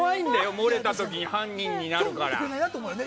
漏れた時に犯人になるから。